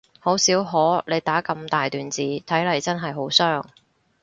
好少可你打咁大段字，睇嚟真係好傷